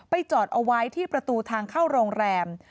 จอดเอาไว้ที่ประตูทางเข้าโรงแรม